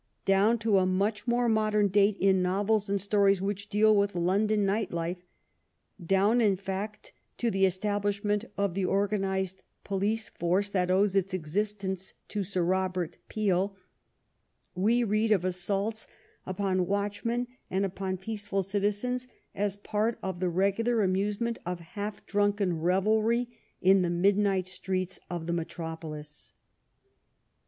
Down to a much more modem date in novels and stories which deal with London night life — down, in fact, to the establishment of the organ ized police force which owes its existence to Sir Robert Peel — ^we read of assaults upon watchmen and upon peaceful citizens as part of the regular amusement of half drunken revelry in the midnight streets of the metropolis.